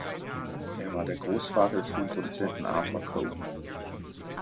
Er war der Grossvater des Filmproduzenten Arthur Cohn.